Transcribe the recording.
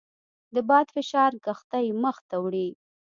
د باد فشار کښتۍ مخ ته وړي.